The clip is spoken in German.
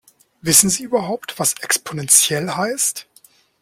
Wissen Sie überhaupt, was exponentiell heißt?